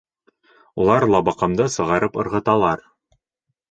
Улар Лабаҡанды сығарып ырғыталар.